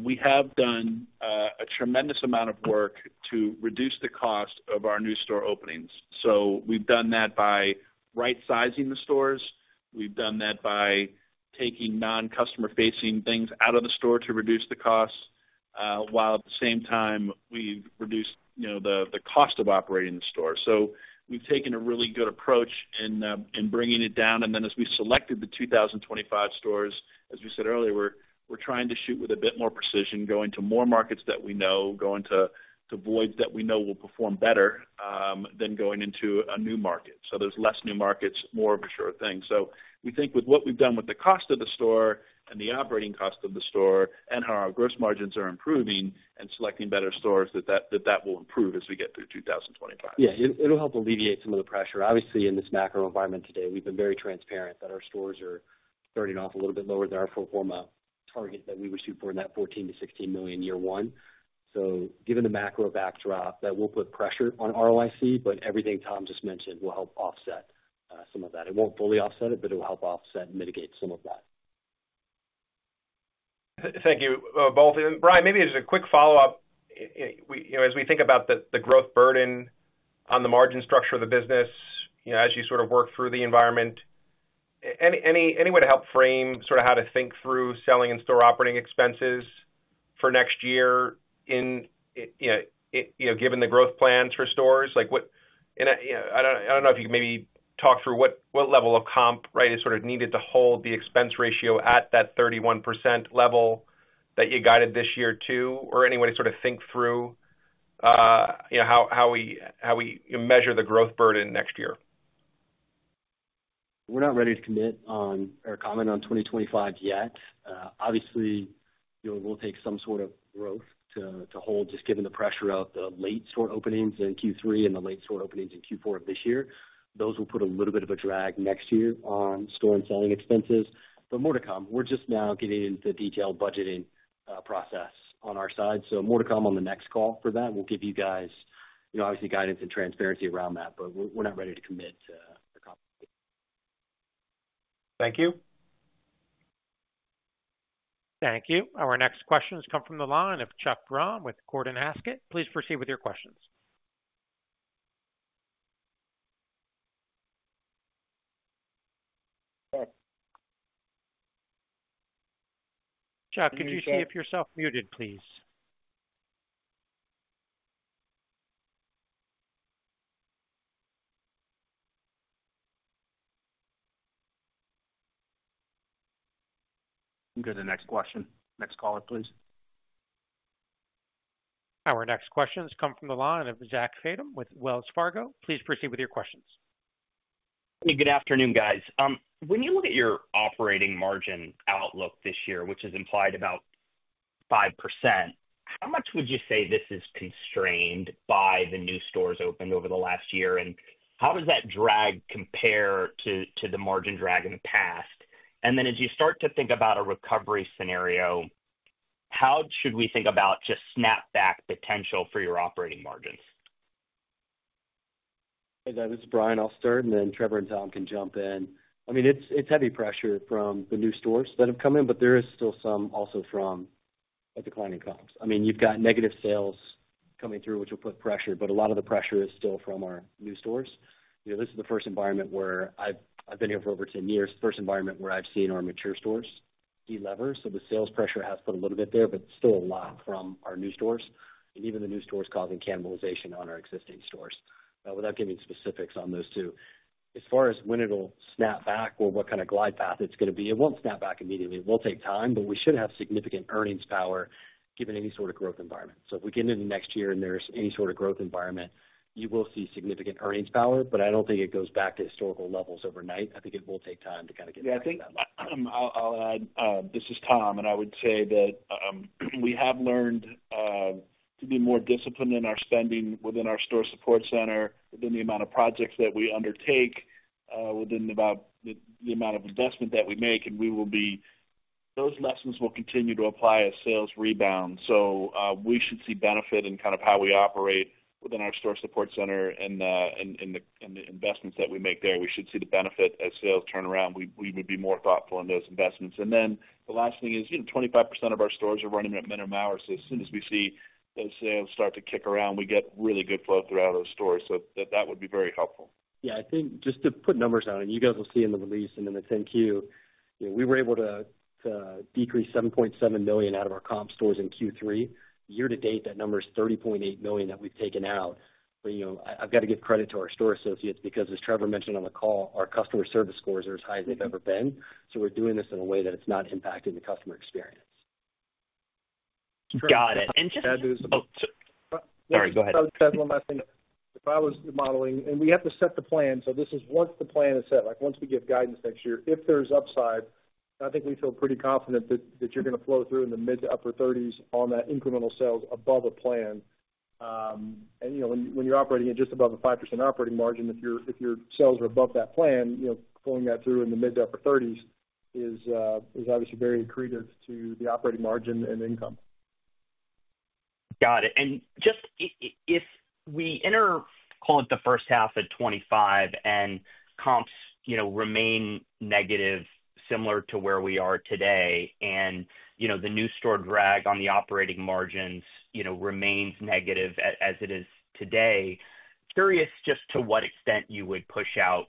We have done a tremendous amount of work to reduce the cost of our new store openings, so we've done that by right-sizing the stores. We've done that by taking non-customer-facing things out of the store to reduce the cost, while at the same time, we've reduced, you know, the cost of operating the store. So we've taken a really good approach in bringing it down, and then as we selected the 2025 stores, as we said earlier, we're trying to shoot with a bit more precision, going to more markets that we know, going to voids that we know will perform better than going into a new market. So there's less new markets, more of a sure thing. So we think with what we've done with the cost of the store and the operating cost of the store and how our gross margins are improving and selecting better stores, that that will improve as we get through 2025. Yeah, it'll help alleviate some of the pressure. Obviously, in this macro environment today, we've been very transparent that our stores are starting off a little bit lower than our pro forma target that we were shooting for in that $14 million-$16 million year one. So given the macro backdrop that will put pressure on ROIC, but everything Tom just mentioned will help offset some of that. It won't fully offset it, but it will help offset and mitigate some of that. Thank you both. And Bryan, maybe as a quick follow-up, you know, as we think about the growth burden on the margin structure of the business, you know, as you sort of work through the environment, any way to help frame sort of how to think through selling and store operating expenses for next year in, you know, given the growth plans for stores? Like what, you know, I don't know if you can maybe talk through what level of comp, right, is sort of needed to hold the expense ratio at that 31% level that you guided this year to, or any way to sort of think through, you know, how we measure the growth burden next year? We're not ready to commit on or comment on 2025 yet. Obviously, you know, we'll take some sort of growth to hold just given the pressure of the late store openings in Q3 and the late store openings in Q4 of this year. Those will put a little bit of a drag next year on store and selling expenses. But more to come. We're just now getting into the detailed budgeting process on our side. So more to come on the next call for that. We'll give you guys, you know, obviously guidance and transparency around that, but we're not ready to commit to. Thank you. Thank you. Our next questions come from the line of Chuck Grom with Gordon Haskett. Please proceed with your questions. Chuck, could you see if you're self-muted, please? I'm good. Next question. Next caller, please. Our next questions come from the line of Zach Fadem with Wells Fargo. Please proceed with your questions. Hey, good afternoon, guys. When you look at your operating margin outlook this year, which has implied about 5%, how much would you say this is constrained by the new stores opened over the last year? And how does that drag compare to the margin drag in the past? And then as you start to think about a recovery scenario, how should we think about just snapback potential for your operating margins? Hey, guys, this is Bryan. I'll start, and then Trevor and Tom can jump in. I mean, it's heavy pressure from the new stores that have come in, but there is still some also from declining comps. I mean, you've got negative sales coming through, which will put pressure, but a lot of the pressure is still from our new stores. You know, this is the first environment where I've been here for over 10 years, the first environment where I've seen our mature stores deliver. So the sales pressure has put a little bit there, but still a lot from our new stores, and even the new stores causing cannibalization on our existing stores. Without giving specifics on those two, as far as when it'll snap back or what kind of glide path it's going to be, it won't snap back immediately. It will take time, but we should have significant earnings power given any sort of growth environment. So if we get into next year and there's any sort of growth environment, you will see significant earnings power, but I don't think it goes back to historical levels overnight. I think it will take time to kind of get back to that level. Yeah, I think I'll add, this is Tom, and I would say that we have learned to be more disciplined in our spending within our Store Support Center, within the amount of projects that we undertake, within about the amount of investment that we make, and we will be, those lessons will continue to apply as sales rebound. So we should see benefit in kind of how we operate within our Store Support Center and in the investments that we make there. We should see the benefit as sales turn around. We would be more thoughtful in those investments. And then the last thing is, you know, 25% of our stores are running at minimum hours. So as soon as we see those sales start to kick around, we get really good flow throughout those stores. So that would be very helpful. Yeah, I think just to put numbers on it, and you guys will see in the release and in the 10-Q, you know, we were able to decrease $7.7 million out of our comp stores in Q3. Year to date, that number is $30.8 million that we've taken out. But, you know, I've got to give credit to our store associates because, as Trevor mentioned on the call, our customer service scores are as high as they've ever been. So we're doing this in a way that it's not impacting the customer experience. Got it. And just. Sorry, go ahead. I'll just add one last thing. If I was modeling, and we have to set the plan, so this is once the plan is set, like once we give guidance next year, if there's upside, I think we feel pretty confident that you're going to flow through in the mid to upper 30s on that incremental sales above a plan, and you know, when you're operating at just above a 5% operating margin, if your sales are above that plan, you know, pulling that through in the mid to upper 30s is obviously very accretive to the operating margin and income. Got it. And just if we enter, call it the first half at 2025, and comps, you know, remain negative, similar to where we are today, and, you know, the new store drag on the operating margins, you know, remains negative as it is today, curious just to what extent you would push out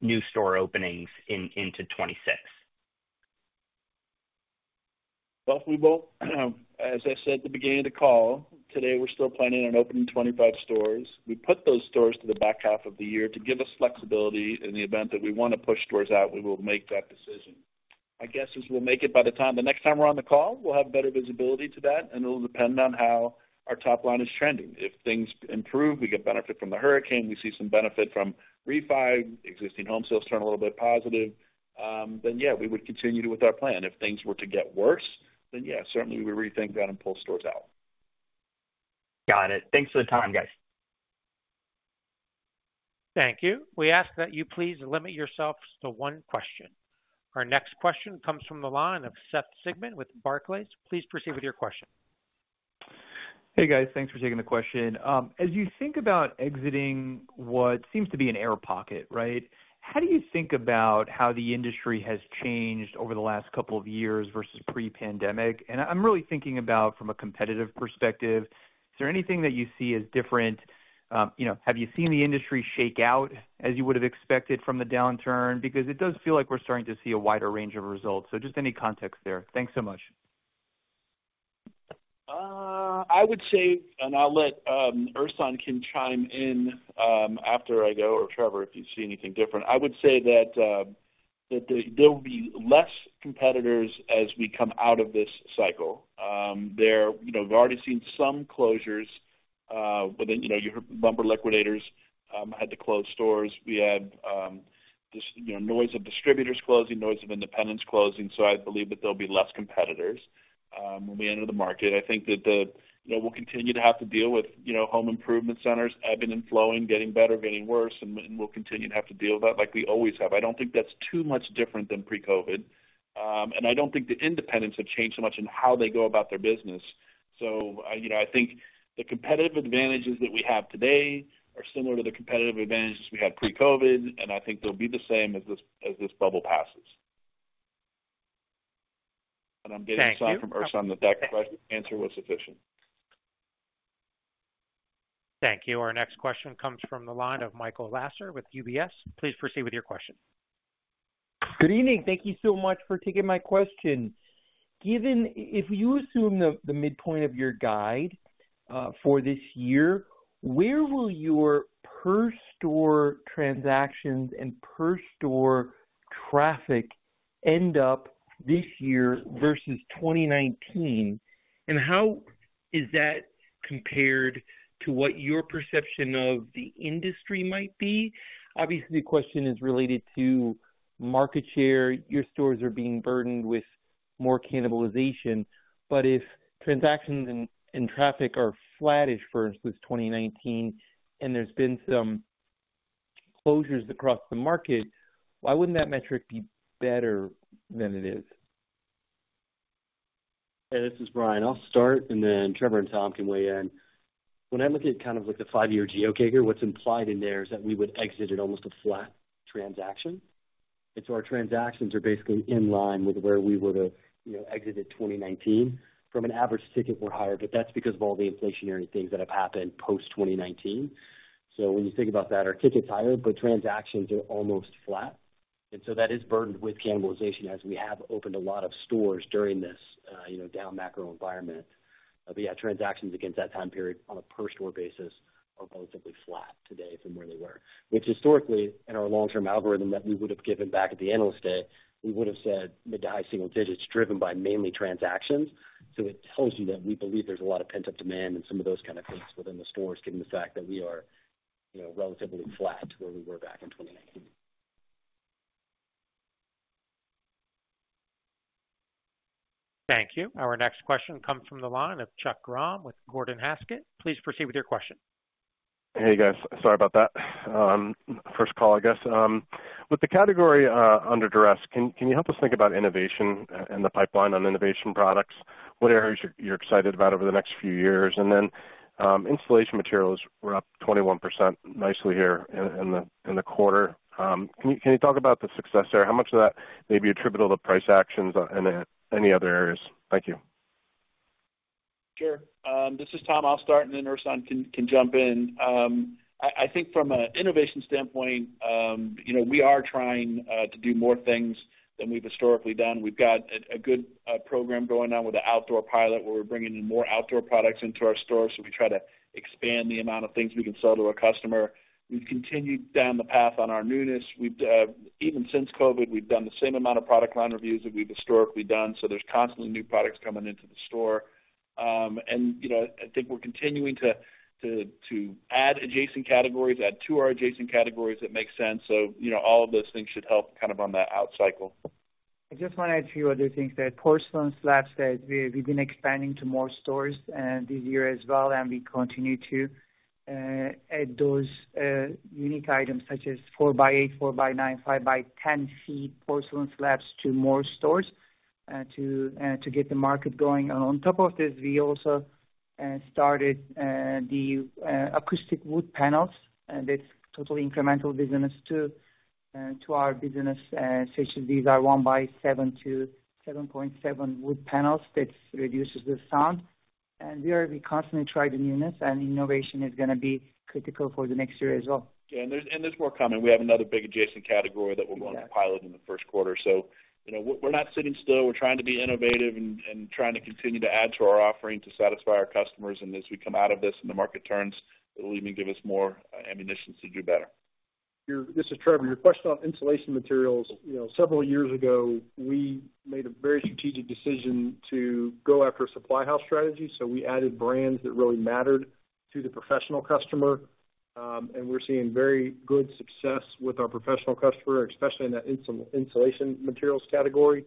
new store openings into 2026? We will, as I said at the beginning of the call, today we're still planning on opening 25 stores. We put those stores to the back half of the year to give us flexibility in the event that we want to push stores out. We will make that decision. My guess is we'll make it by the time the next time we're on the call. We'll have better visibility to that, and it'll depend on how our top line is trending. If things improve, we get benefit from the hurricane, we see some benefit from refi, existing home sales turn a little bit positive, then yeah, we would continue with our plan. If things were to get worse, then yeah, certainly we would rethink that and pull stores out. Got it. Thanks for the time, guys. Thank you. We ask that you please limit yourself to one question. Our next question comes from the line of Seth Sigman with Barclays. Please proceed with your question. Hey, guys. Thanks for taking the question. As you think about exiting what seems to be an air pocket, right, how do you think about how the industry has changed over the last couple of years versus pre-pandemic? And I'm really thinking about from a competitive perspective. Is there anything that you see as different? You know, have you seen the industry shake out as you would have expected from the downturn? Because it does feel like we're starting to see a wider range of results. So just any context there. Thanks so much. I would say, and I'll let Ersan chime in after I go, or Trevor, if you see anything different. I would say that there will be less competitors as we come out of this cycle. There, you know, we've already seen some closures, but then, you know, you heard Lumber Liquidators had to close stores. We have just, you know, noise of distributors closing, noise of independents closing. So I believe that there'll be less competitors when we enter the market. I think that the, you know, we'll continue to have to deal with, you know, home improvement centers, ebbing and flowing, getting better, getting worse, and we'll continue to have to deal with that like we always have. I don't think that's too much different than pre-COVID, and I don't think the independents have changed so much in how they go about their business. So, you know, I think the competitive advantages that we have today are similar to the competitive advantages we had pre-COVID, and I think they'll be the same as this bubble passes. And I'm getting a sign from Ersan that that question answer was sufficient. Thank you. Our next question comes from the line of Michael Lasser with UBS. Please proceed with your question. Good evening. Thank you so much for taking my question. Given, if you assume the midpoint of your guide for this year, where will your per-store transactions and per-store traffic end up this year versus 2019? And how is that compared to what your perception of the industry might be? Obviously, the question is related to market share. Your stores are being burdened with more cannibalization. But if transactions and traffic are flattish versus 2019, and there's been some closures across the market, why wouldn't that metric be better than it is? Hey, this is Bryan. I'll start, and then Trevor and Tom can weigh in. When I look at kind of like the five-year comp stacker, what's implied in there is that we would exit at almost a flat transaction, and so our transactions are basically in line with where we would have, you know, exited 2019. From an average ticket, we're higher, but that's because of all the inflationary things that have happened post-2019, so when you think about that, our tickets are higher, but transactions are almost flat. And so that is burdened with cannibalization as we have opened a lot of stores during this, you know, down macro environment, but yeah, transactions against that time period on a per-store basis are relatively flat today from where they were. Which, historically, in our long-term algorithm that we would have given back at the analyst day, we would have said mid to high single digits driven by mainly transactions. So it tells you that we believe there's a lot of pent-up demand and some of those kind of things within the stores, given the fact that we are, you know, relatively flat to where we were back in 2019. Thank you. Our next question comes from the line of Chuck Grom with Gordon Haskett. Please proceed with your question. Hey, guys. Sorry about that. First call, I guess. With the category under duress, can you help us think about innovation and the pipeline on innovation products? What areas you're excited about over the next few years? And then installation materials were up 21% nicely here in the quarter. Can you talk about the success there? How much of that may be attributable to price actions and any other areas? Thank you. Sure. This is Tom. I'll start, and then Ersan can jump in. I think from an innovation standpoint, you know, we are trying to do more things than we've historically done. We've got a good program going on with the outdoor pilot where we're bringing in more outdoor products into our stores. So we try to expand the amount of things we can sell to a customer. We've continued down the path on our newness. Even since COVID, we've done the same amount of product line reviews that we've historically done. So there's constantly new products coming into the store. And, you know, I think we're continuing to add adjacent categories, add to our adjacent categories that make sense. So, you know, all of those things should help kind of on that out cycle. I just want to add a few other things. At porcelain slabs, we've been expanding to more stores this year as well, and we continue to add those unique items such as 4x8 ft, 4x9 ft, 5x10 ft porcelain slabs to more stores to get the market going. And on top of this, we also started the acoustic wood panels. That's totally incremental business to our business, such as these are 1x7 ft to 7.7 wood panels that reduces the sound. And we constantly try the newness, and innovation is going to be critical for the next year as well. Yeah, and there's more coming. We have another big adjacent category that we're going to pilot in the first quarter. So, you know, we're not sitting still. We're trying to be innovative and trying to continue to add to our offering to satisfy our customers. And as we come out of this and the market turns, it'll even give us more ammunitions to do better. This is Trevor. Your question on installation materials, you know, several years ago, we made a very strategic decision to go after a supply house strategy, so we added brands that really mattered to the professional customer. And we're seeing very good success with our professional customer, especially in that installation materials category.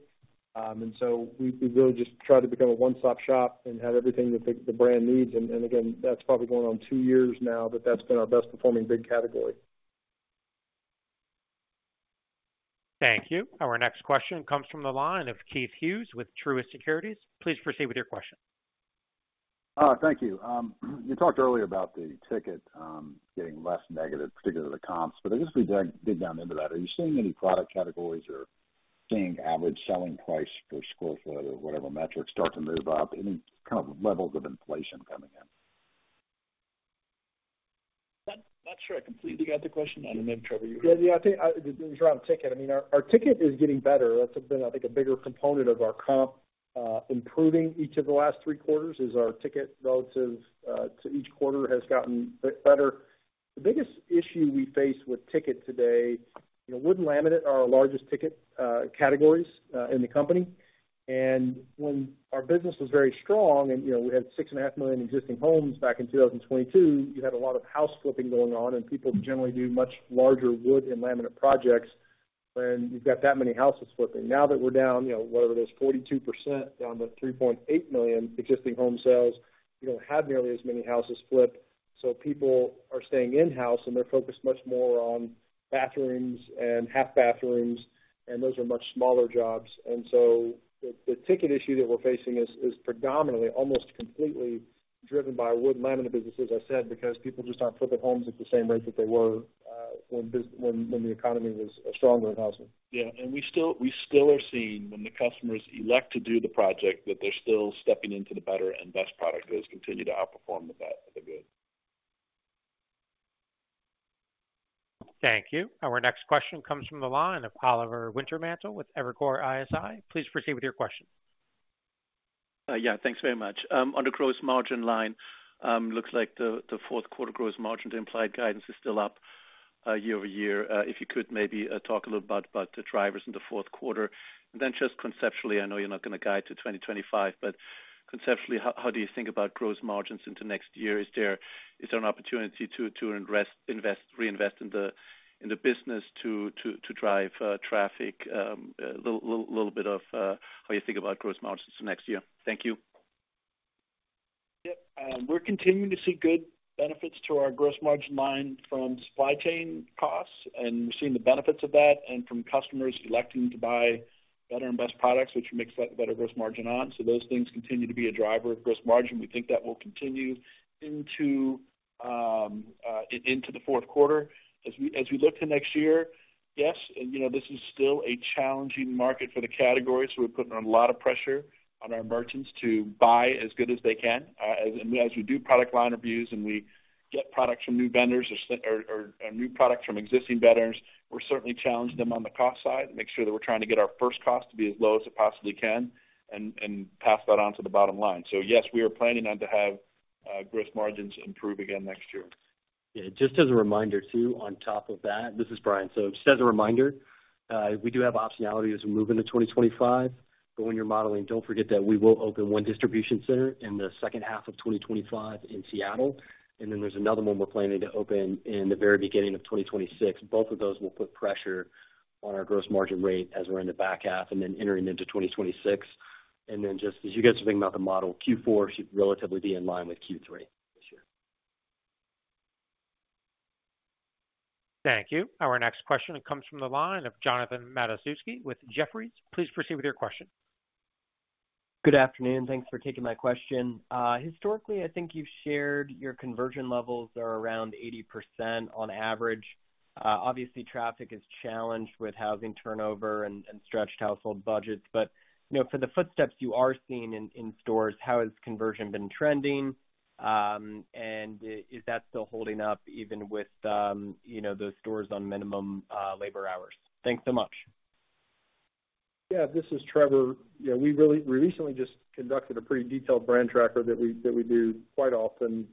And so we really just try to become a one-stop shop and have everything that the pro needs. And again, that's probably going on two years now that that's been our best performing big category. Thank you. Our next question comes from the line of Keith Hughes with Truist Securities. Please proceed with your question. Thank you. You talked earlier about the ticket getting less negative, particularly the comps. But I guess if we dig down into that, are you seeing any product categories or seeing average selling price per sq ft or whatever metric start to move up? Any kind of levels of inflation coming in? Not sure I completely got the question. I don't know, Trevor, you heard? Yeah, yeah, I think it was around ticket. I mean, our ticket is getting better. That's been, I think, a bigger component of our comp. Improving each of the last three quarters is our ticket relative to each quarter has gotten better. The biggest issue we face with ticket today, you know, wood and laminate are our largest ticket categories in the company. And when our business was very strong and, you know, we had 6.5 million existing home sales back in 2022, you had a lot of house flipping going on, and people generally do much larger wood and laminate projects when you've got that many houses flipping. Now that we're down, you know, whatever it is, 42% down to 3.8 million existing home sales, you don't have nearly as many houses flipped. So people are staying in-house, and they're focused much more on bathrooms and half bathrooms, and those are much smaller jobs. And so the ticket issue that we're facing is predominantly, almost completely driven by wood and laminate businesses, I said, because people just aren't flipping homes at the same rate that they were when the economy was stronger in housing. Yeah, and we still are seeing when the customers elect to do the project that they're still stepping into the better and best product that has continued to outperform the good. Thank you. Our next question comes from the line of Oliver Wintermantel with Evercore ISI. Please proceed with your question. Yeah, thanks very much. Under gross margin line, looks like the fourth quarter gross margin to implied guidance is still up year-over-year. If you could maybe talk a little about the drivers in the fourth quarter. And then just conceptually, I know you're not going to guide to 2025, but conceptually, how do you think about gross margins into next year? Is there an opportunity to reinvest in the business to drive traffic? A little bit of how you think about gross margins to next year. Thank you. Yep. We're continuing to see good benefits to our gross margin line from supply chain costs, and we're seeing the benefits of that and from customers electing to buy better and best products, which makes that the better gross margin on. So those things continue to be a driver of gross margin. We think that will continue into the fourth quarter. As we look to next year, yes, and you know, this is still a challenging market for the category. So we're putting a lot of pressure on our merchants to buy as good as they can. As we do product line reviews and we get products from new vendors or new products from existing vendors, we're certainly challenging them on the cost side to make sure that we're trying to get our first cost to be as low as it possibly can and pass that on to the bottom line. So yes, we are planning on to have gross margins improve again next year. Yeah, just as a reminder too, on top of that, this is Bryan. So just as a reminder, we do have optionality as we move into 2025. But when you're modeling, don't forget that we will open one distribution center in the second half of 2025 in Seattle. And then there's another one we're planning to open in the very beginning of 2026. Both of those will put pressure on our gross margin rate as we're in the back half and then entering into 2026. And then just as you guys are thinking about the model, Q4 should relatively be in line with Q3 this year. Thank you. Our next question comes from the line of Jonathan Matuszewski with Jefferies. Please proceed with your question. Good afternoon. Thanks for taking my question. Historically, I think you've shared your conversion levels are around 80% on average. Obviously, traffic is challenged with housing turnover and stretched household budgets. But, you know, for the footsteps you are seeing in stores, how has conversion been trending? And is that still holding up even with, you know, those stores on minimum labor hours? Thanks so much. Yeah, this is Trevor. You know, we really recently just conducted a pretty detailed brand tracker that we do quite often,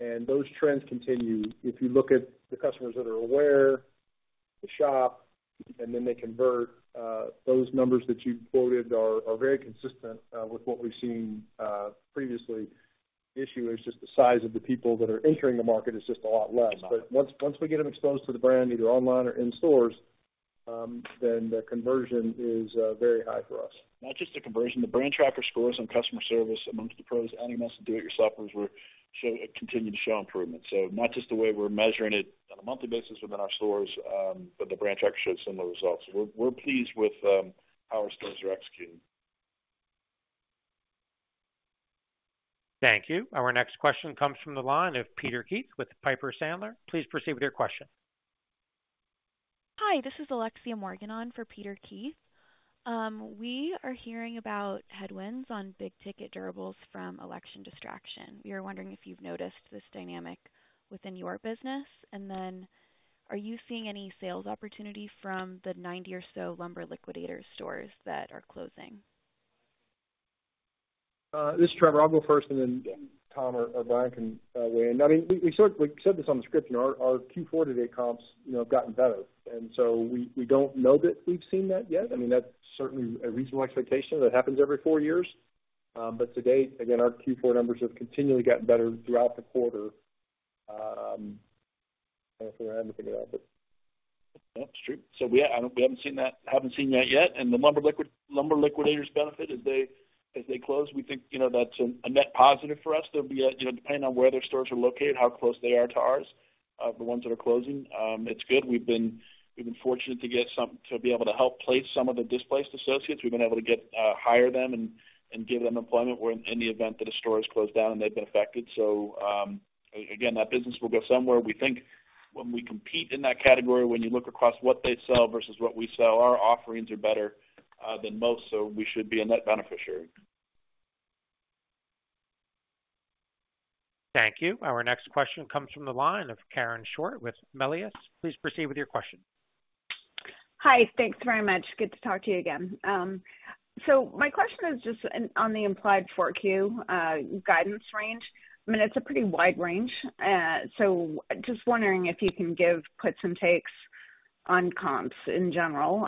and those trends continue. If you look at the customers that are aware, the shop, and then they convert, those numbers that you quoted are very consistent with what we've seen previously. The issue is just the size of the people that are entering the market is just a lot less, but once we get them exposed to the brand, either online or in stores, then the conversion is very high for us. Not just the conversion. The brand tracker scores on customer service amongst the pros and DIYers continue to show improvement. So not just the way we're measuring it on a monthly basis within our stores, but the brand tracker shows similar results. We're pleased with how our stores are executing. Thank you. Our next question comes from the line of Peter Keith with Piper Sandler. Please proceed with your question. Hi, this is Alexia Morgan for Peter Keith. We are hearing about headwinds on big ticket durables from election distraction. We are wondering if you've noticed this dynamic within your business. And then are you seeing any sales opportunity from the 90 or so Lumber Liquidators stores that are closing? This is Trevor. I'll go first, and then Tom or Bryan can weigh in. I mean, we said this on the script. Our Q4 to date comps, you know, have gotten better, and so we don't know that we've seen that yet. I mean, that's certainly a reasonable expectation that happens every four years, but to date, again, our Q4 numbers have continually gotten better throughout the quarter. I don't know if we're going to have anything at all, but. That's true. So we haven't seen that. Haven't seen that yet. And the Lumber Liquidators benefit as they close. We think, you know, that's a net positive for us. There'll be, you know, depending on where their stores are located, how close they are to ours, the ones that are closing, it's good. We've been fortunate to be able to help place some of the displaced associates. We've been able to hire them and give them employment in the event that a store is closed down and they've been affected. So again, that business will go somewhere. We think when we compete in that category, when you look across what they sell versus what we sell, our offerings are better than most. So we should be a net beneficiary. Thank you. Our next question comes from the line of Karen Short with Melius. Please proceed with your question. Hi, thanks very much. Good to talk to you again. So my question is just on the implied FY Q4 guidance range. I mean, it's a pretty wide range. So just wondering if you can give puts and takes on comps in general,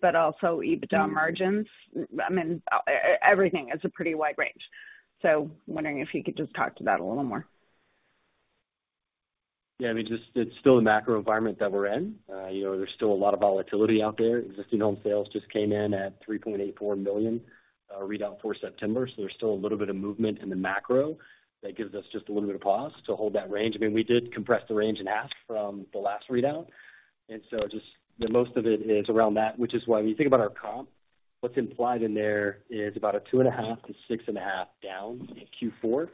but also EBITDA margins. I mean, everything is a pretty wide range. So wondering if you could just talk to that a little more. Yeah, I mean, it's still the macro environment that we're in. You know, there's still a lot of volatility out there. Existing home sales just came in at $3.84 million readout for September. So there's still a little bit of movement in the macro that gives us just a little bit of pause to hold that range. I mean, we did compress the range in half from the last readout. And so just most of it is around that, which is why when you think about our comp, what's implied in there is about a two and a half to six and a half down in Q4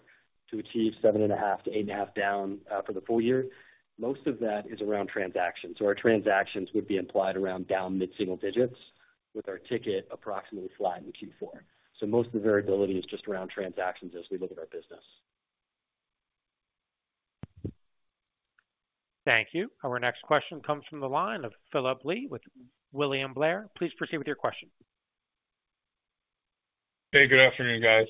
to achieve seven and a half to eight and a half down for the full year. Most of that is around transactions. So our transactions would be implied around down mid-single digits with our ticket approximately flat in Q4. So most of the variability is just around transactions as we look at our business. Thank you. Our next question comes from the line of Phillip Blee with William Blair. Please proceed with your question. Hey, good afternoon, guys.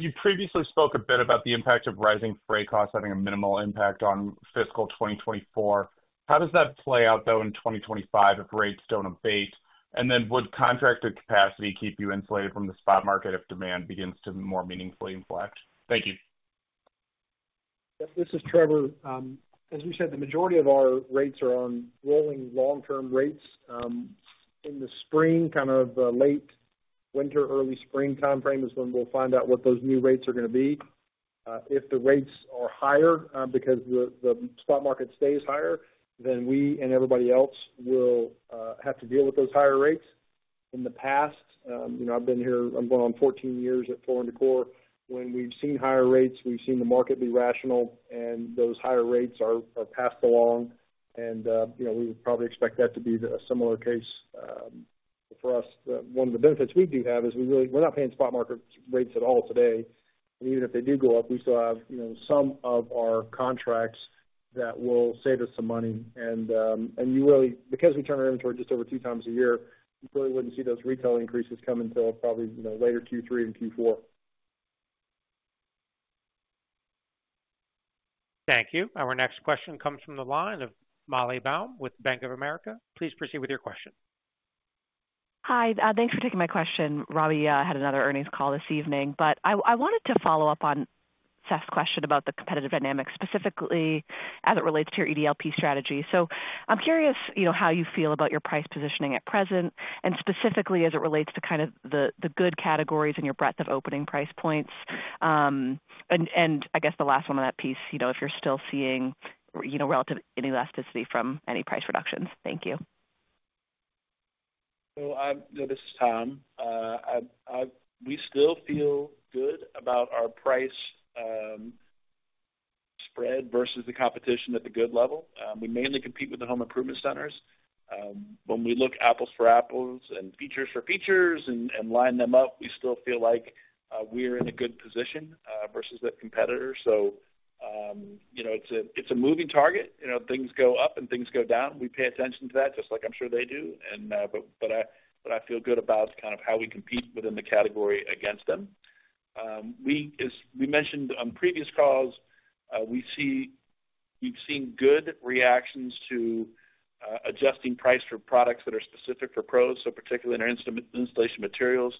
You previously spoke a bit about the impact of rising freight costs having a minimal impact on fiscal 2024. How does that play out, though, in 2025 if rates don't abate? And then would contracted capacity keep you insulated from the spot market if demand begins to more meaningfully inflect? Thank you. This is Trevor. As we said, the majority of our rates are on rolling long-term rates. In the spring, kind of late winter, early spring timeframe is when we'll find out what those new rates are going to be. If the rates are higher, because the spot market stays higher, then we and everybody else will have to deal with those higher rates. In the past, you know, I've been here, I'm going on 14 years at Floor & Decor. When we've seen higher rates, we've seen the market be rational, and those higher rates are passed along. And, you know, we would probably expect that to be a similar case for us. One of the benefits we do have is we're not paying spot market rates at all today. Even if they do go up, we still have, you know, some of our contracts that will save us some money. You really, because we turn our inventory just over two times a year, you really wouldn't see those retail increases come until probably, you know, later Q3 and Q4. Thank you. Our next question comes from the line of Molly Baum with Bank of America. Please proceed with your question. Hi, thanks for taking my question. Robbie had another earnings call this evening, but I wanted to follow up on Seth's question about the competitive dynamic, specifically as it relates to your EDLP strategy. So I'm curious, you know, how you feel about your price positioning at present and specifically as it relates to kind of the good categories and your breadth of opening price points. And I guess the last one on that piece, you know, if you're still seeing, you know, relative inelasticity from any price reductions. Thank you. So this is Tom. We still feel good about our price spread versus the competition at the good level. We mainly compete with the home improvement centers. When we look apples to apples and features for features and line them up, we still feel like we're in a good position versus that competitor. So, you know, it's a moving target. You know, things go up and things go down. We pay attention to that, just like I'm sure they do. And but I feel good about kind of how we compete within the category against them. We mentioned on previous calls, we've seen good reactions to adjusting price for products that are specific for pros. So particularly in our installation materials,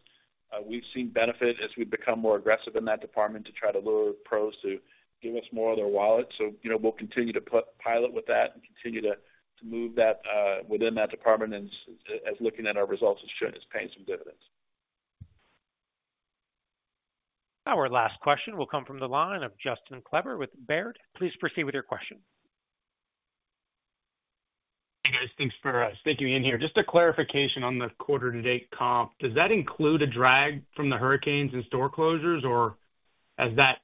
we've seen benefit as we've become more aggressive in that department to try to lure pros to give us more of their wallet. So, you know, we'll continue to pilot with that and continue to move that within that department, and as looking at our results is paying some dividends. Our last question will come from the line of Justin Kleber with Baird. Please proceed with your question. Hey, guys, thanks for sticking in here. Just a clarification on the quarter-to-date comp. Does that include a drag from the hurricanes and store closures, or has that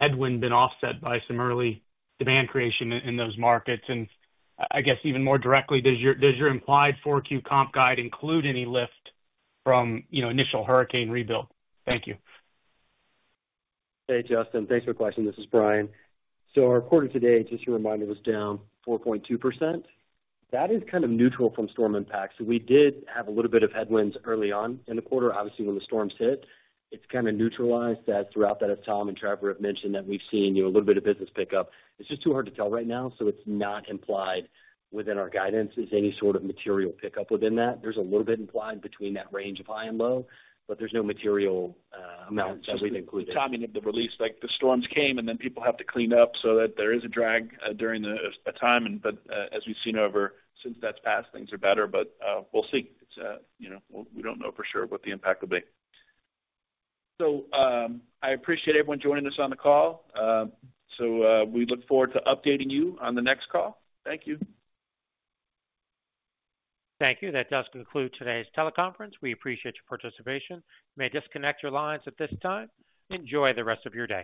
headwind been offset by some early demand creation in those markets? And I guess even more directly, does your implied 4Q comp guide include any lift from, you know, initial hurricane rebuild? Thank you. Hey, Justin, thanks for the question. This is Bryan, so our quarter-to-date, just to remind me, was down 4.2%. That is kind of neutral from storm impacts. We did have a little bit of headwinds early on in the quarter. Obviously, when the storms hit, it's kind of neutralized as throughout that as Tom and Trevor have mentioned that we've seen, you know, a little bit of business pickup. It's just too hard to tell right now, so it's not implied within our guidance as any sort of material pickup within that. There's a little bit implied between that range of high and low, but there's no material amount that we've included. Tom, you need to realize like the storms came and then people have to clean up so that there is a drag during a time. But as we've seen ever since that's passed, things are better. But we'll see. You know, we don't know for sure what the impact will be. So I appreciate everyone joining us on the call. So we look forward to updating you on the next call. Thank you. Thank you. That does conclude today's teleconference. We appreciate your participation. May I disconnect your lines at this time? Enjoy the rest of your day.